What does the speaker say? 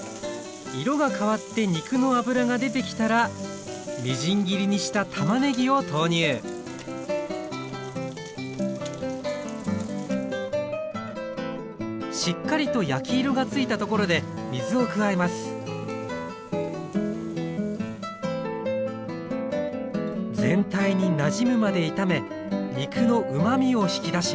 色が変わって肉の脂が出てきたらみじん切りにしたたまねぎを投入しっかりと焼き色がついたところで水を加えます全体になじむまで炒め肉のうまみを引き出します